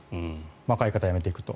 若い方が辞めていくと。